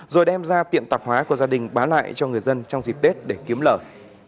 rồi đem ra tiện tạp hóa của gia đình bán lại cho người dân trong dịp tết để kiếm lời